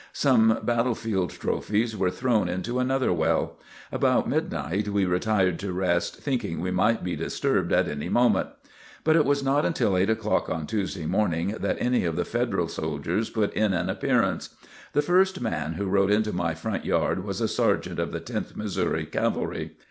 Some battle field trophies were thrown into another well. About mid night we retired to rest thinking we might be disturbed at any moment. But it was not until eight o'clock on Tuesday morning that any of the Federal soldiers put in an appearance. The first man who rode into my front yard was a sergeant of the Tenth Missouri Cavalry.